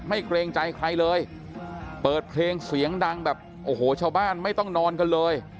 เกรงใจใครเลยเปิดเพลงเสียงดังแบบโอ้โหชาวบ้านไม่ต้องนอนกันเลย